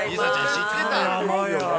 知ってた？